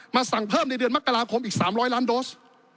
มาสั่งเพิ่มในเดือนมกราคมอีกสามล้อยล้านโดสต์